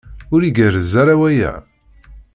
Ur igerrez ara waya?